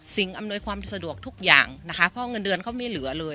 อำนวยความสะดวกทุกอย่างนะคะเพราะเงินเดือนเขาไม่เหลือเลย